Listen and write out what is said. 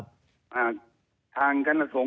ภัยบูรณ์นิติตะวันภัยบูรณ์นิติตะวัน